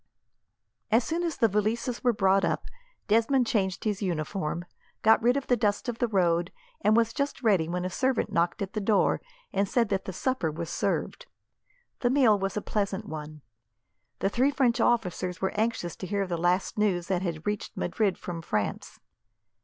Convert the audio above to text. As soon as the valises were brought up, Desmond changed his uniform, got rid of the dust of the road, and was just ready when a servant knocked at the door and said that the supper was served. The meal was a pleasant one. The three French officers were anxious to hear the last news that had reached Madrid from France.